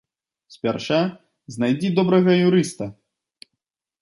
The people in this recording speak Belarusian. Спярша знайдзі добрага юрыста!